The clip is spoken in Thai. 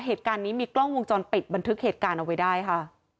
เหตุการณ์นี้มีกล้องวงจรปิดบันทึกเหตุการณ์เอาไว้ได้ค่ะ